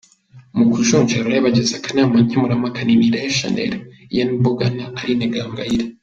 Mu kujonjora abari bagize akanama nkemurampaka ni Nirere Shanel, Ian Mbuga na Aline Gahongayire.